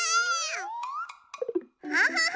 アハハ！